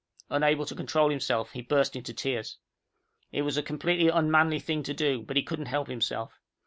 Unable to control himself, he burst into tears. It was a completely unmanly thing to do, but he couldn't help himself.